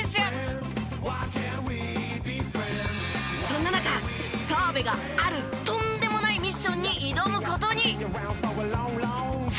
そんな中澤部があるとんでもないミッションに挑む事に！